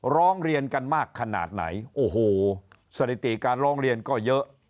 ร้องเรียนกันมากขนาดไหนโอ้โหสถิติการร้องเรียนก็เยอะ